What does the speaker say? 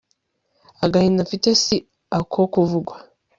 agahinda mfite si ako kuvugwa